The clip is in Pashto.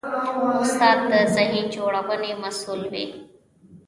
استاد د ذهن جوړونې مسوول وي.